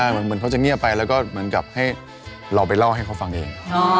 เหมือนเขาจะเงียบไปแล้วก็เหมือนกับให้เราไปเล่าให้เขาฟังเอง